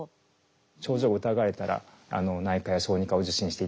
症状を疑われたら内科や小児科を受診していただきたいと思います。